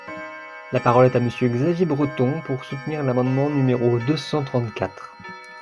La parole est à Monsieur Xavier Breton, pour soutenir l’amendement numéro deux cent trente-quatre.